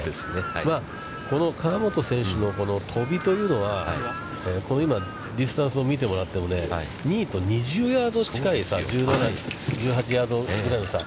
まあ、この河本選手の飛び方というのは、今ディスタンスを見てもらってもね、２位と２０ヤード近い差、１８ヤードぐらいの差。